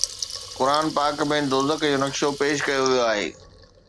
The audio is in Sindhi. قرآن پاڪ ۾ دوزخ جو نقشو پيش ڪيو ويو آهي